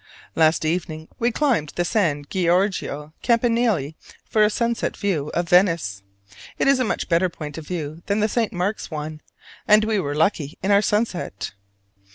Last evening we climbed the San Giorgio campanile for a sunset view of Venice; it is a much better point of view than the St. Mark's one, and we were lucky in our sunset.